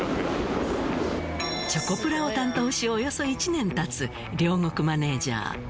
チョコプラを担当しおよそ１年たつ両國マネジャー